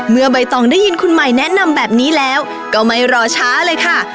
ใบตองได้ยินคุณใหม่แนะนำแบบนี้แล้วก็ไม่รอช้าเลยค่ะ